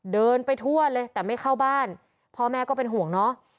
เดินไปทั่วเลยแต่ไม่เข้าบ้านพ่อแม่ก็เป็นห่วงเนาะ